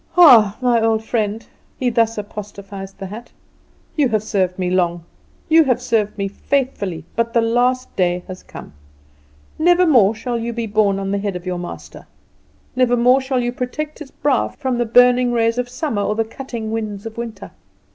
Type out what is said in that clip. "Ah, my old friend," he thus apostrophized the hat, "you have served me long, you have served me faithfully, but the last day has come. Never more shall you be borne upon the head of your master. Never more shall you protect his brow from the burning rays of summer or the cutting winds of winter.